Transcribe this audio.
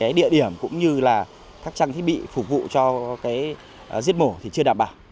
về địa điểm cũng như là khắc trăng thiết bị phục vụ cho giết mổ thì chưa đảm bảo